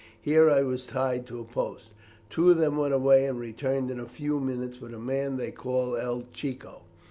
Here I was tied to a post. Two of them went away and returned in a few minutes with a man they called El Chico.